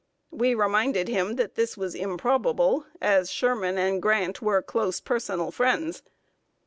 We reminded him that this was improbable, as Sherman and Grant were close personal friends.